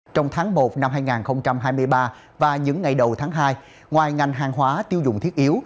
trong tháng một năm hai nghìn hai mươi ba và những ngày đầu tháng hai ngoài ngành hàng hóa tiêu dùng thiết yếu